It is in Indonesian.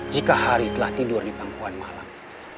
jika hari telah tidur di pangkuan malang